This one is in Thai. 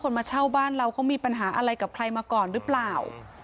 มาเช่าบ้านเราเขามีปัญหาอะไรกับใครมาก่อนหรือเปล่า